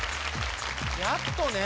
やっとね